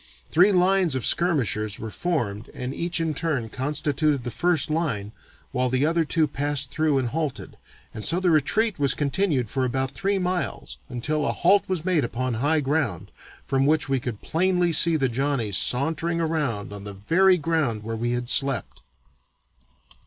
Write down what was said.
Three lines of skirmishers were formed and each in turn constituted the first line while the other two passed through and halted, and so the retreat was continued for about three miles until a halt was made upon high ground, from which we could plainly see the Johnnies sauntering around on the very ground where we had slept."